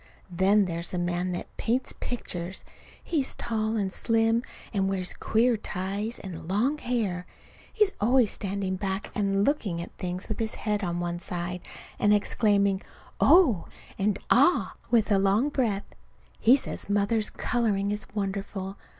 Then there's the man that paints pictures. He's tall and slim, and wears queer ties and long hair. He's always standing back and looking at things with his head on one side, and exclaiming "Oh!" and "Ah!" with a long breath. He says Mother's coloring is wonderful.